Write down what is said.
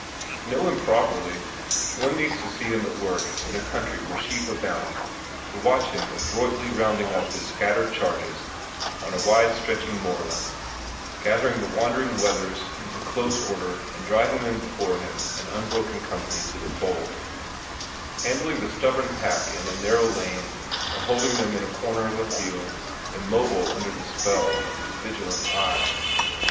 To know him properly, one needs to see him at work in a country where sheep abound, to watch him adroitly rounding up his scattered charges on a wide stretching moorland, gathering the wandering wethers into close order and driving them before him in unbroken company to the fold; handling the stubborn pack in a narrow lane, or holding them in a corner of a field, immobile under the spell of his vigilant eye.